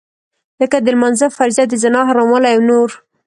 لکه د لمانځه فرضيت د زنا حراموالی او نور.